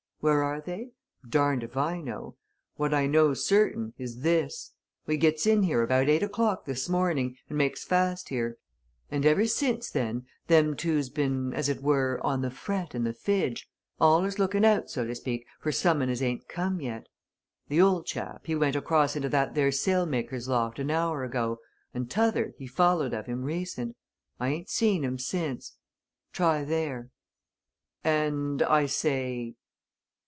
Where are they? Darned if I know. What I knows, certain, is this we gets in here about eight o'clock this morning, and makes fast here, and ever since then them two's been as it were on the fret and the fidge, allers lookin' out, so to speak, for summun as ain't come yet. The old chap, he went across into that there sail maker's loft an hour ago, and t'other, he followed of him, recent. I ain't seen 'em since. Try there. And I say?"